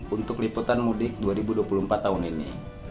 untuk liputan mudik dua ribu dua puluh empat tahun ini